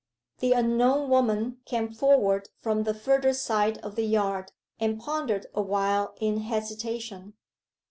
The unknown woman came forward from the further side of the yard, and pondered awhile in hesitation.